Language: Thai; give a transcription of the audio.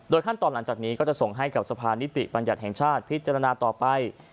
ขั้นตอนหลังจากนี้ก็จะส่งให้กับสะพานนิติบัญญัติแห่งชาติพิจารณาต่อไป